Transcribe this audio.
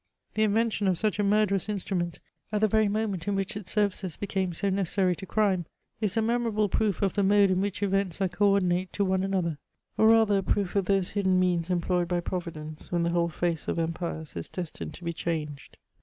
The invention of such a murderous instrument at the very moment in which its services became so necessary to crime, IS a memorable proof of the mode in which events are co ordinate to one another, or rather a proof of those hidden means employed by Providence, when the whole &ce of empires is destined to be changed.